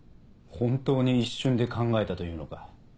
本当に一瞬で考えたというのか？